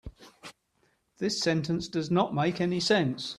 This sentence does not make any sense.